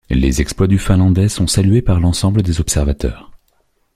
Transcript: Les exploits du Finlandais sont salués par l’ensemble des observateurs.